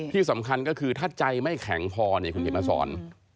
ที่สำคัญก็คือถ้าใจไม่แข็งพอเนี่ยคุณเขียนมาสอน